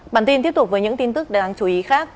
bản tin tiếp tục với những tin tức đáng chú ý khác